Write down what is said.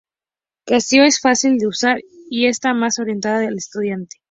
Casio es fácil de usar y está más orientada al estudiante.